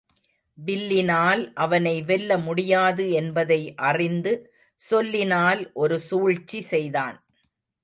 வில்லினால் அவனை வெல்ல முடியாது என்பதை அறிந்து சொல்லினால் ஒரு சூழ்ச்சி செய்தான்.